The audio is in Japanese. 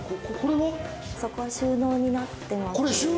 そこは収納になってます。